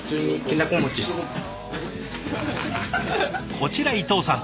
こちら伊藤さん。